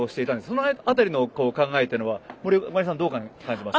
その辺りの考えというのは森上さんはどう感じました？